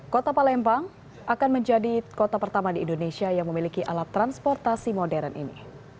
kota palembang akan menjadi kota pertama di indonesia yang memiliki alat transportasi modern ini